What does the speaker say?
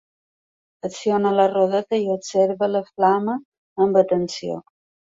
Acciona la rodeta i observa la flama amb atenció.